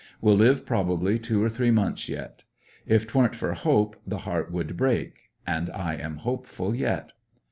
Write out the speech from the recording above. Will live probably two or three months yet. ''if t'weren't for hope the heart would break," and I am hopeful yet.